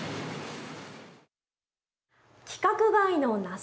規格外の梨。